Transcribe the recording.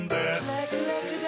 ラクラクだ！